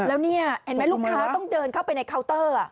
แล้วนี่เห็นไหมลูกค้าต้องเดินเข้าไปในเคาน์เตอร์